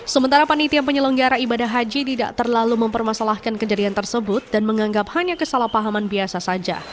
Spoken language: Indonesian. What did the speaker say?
sementara panitia penyelenggara ibadah haji tidak terlalu mempermasalahkan kejadian tersebut dan menganggap hanya kesalahpahaman biasa saja